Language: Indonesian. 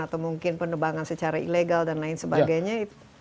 atau mungkin penebangan secara ilegal dan lain sebagainya